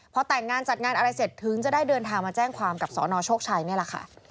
พอแต่งงานจัดงานอะไรเสร็จถึงจะได้เดินทางมาแจ้งความกับสนโชคชัยนี่แหละค่ะ